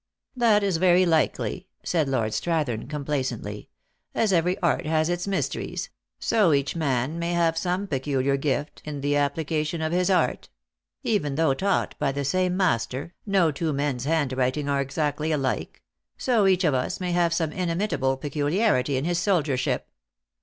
"That is very likely," said Lord Strathern, com placently. " As every art has its mysteries so each man may have some peculiar gift in the application of his art; even though taught by the same master, no two men s handwriting are exactly alike; so each of us may have some inimitable peculiarity in his sol diership.